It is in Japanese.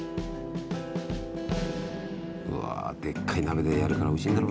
うわでっかい鍋でやるからおいしいんだろうな。